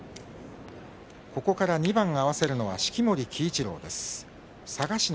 ここから２番、合わせるのは式守鬼一郎さん。